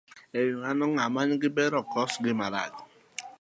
E wi mano, gima nigi ber ok kos gik maricho.